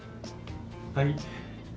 はい。